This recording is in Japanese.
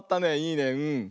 いいねうん。